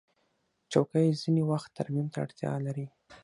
چوکۍ ځینې وخت ترمیم ته اړتیا لري.